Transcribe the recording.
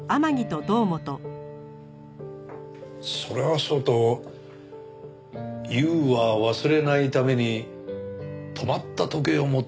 それはそうと悠は忘れないために止まった時計を持ってたよな。